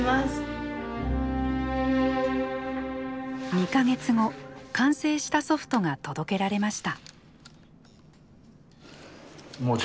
２か月後完成したソフトが届けられました。